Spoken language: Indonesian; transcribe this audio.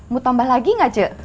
mau tambah lagi gak ce